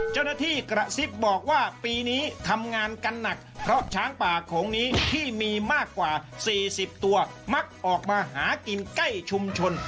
เจ้าหน้าที่กระซิบบอกว่าปีนี้ทำงานกันหนักเพราะช้างป่าโขงนี้ที่มีมากกว่า๔๐ตัวมักออกมาหากินใกล้ชุมชน